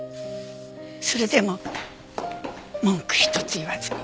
それでも文句一つ言わずに。